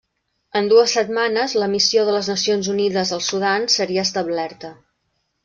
En dues setmanes, la Missió de les Nacions Unides al Sudan seria establerta.